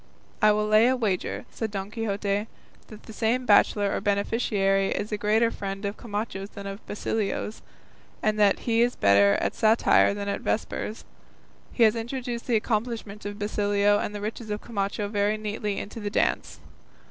"I will lay a wager," said Don Quixote, "that the same bachelor or beneficiary is a greater friend of Camacho's than of Basilio's, and that he is better at satire than at vespers; he has introduced the accomplishments of Basilio and the riches of Camacho very neatly into the dance."